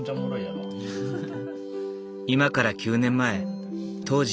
今から９年前当